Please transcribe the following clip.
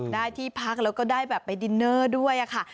ได้ที่พักแล้วก็ได้แบบไปดินเนอร์ด้วยค่ะ